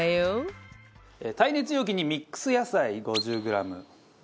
耐熱容器にミックス野菜５０グラム。